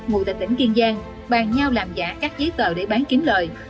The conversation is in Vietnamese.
ngụ tại tỉnh kiên giang bàn nhau làm giả các giấy tờ để bán kiếm lời